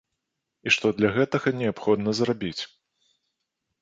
І што для гэтага неабходна зрабіць.